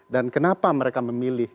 dan kenapa mereka memilih